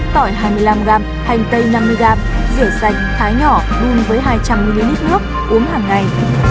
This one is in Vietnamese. tỏi hai mươi năm g hành tây năm mươi g rửa sạch thái nhỏ đun với hai trăm linh ml nước uống hàng ngày